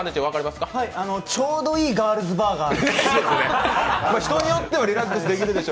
ちょうどいいガールズバーがある。